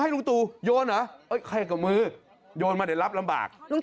ลุงตูระวังตกใส่เท้า